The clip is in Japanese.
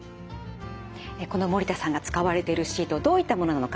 この守田さんが使われてるシートどういったものなのか